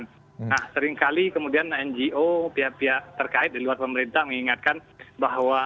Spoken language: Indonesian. nah seringkali kemudian ngo pihak pihak terkait di luar pemerintah mengingatkan bahwa